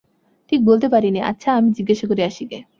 ঠিক বলতে পারি নে–আচ্ছা, আমি জিজ্ঞাসা করে আসি গে।